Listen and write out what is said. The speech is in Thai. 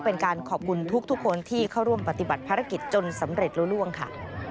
เป็นการขอบคุณทุกคนที่เข้าร่วมปฏิบัติภารกิจจนสำเร็จรู้ล่วงค่ะ